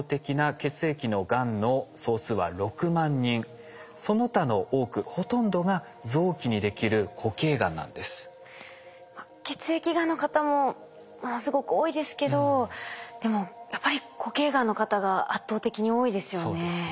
血液がんの方もものすごく多いですけどでもやっぱり固形がんの方が圧倒的に多いですよね。